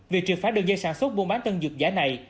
vì triệt phá đồ dây sản xuất buôn bán tân dược dạy này